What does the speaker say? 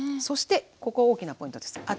そしてここ大きなポイントです。